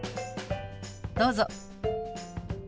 どうぞ。